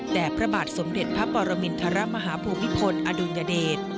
พระบาทสมเด็จพระปรมินทรมาฮภูมิพลอดุลยเดช